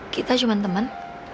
kita cuma temen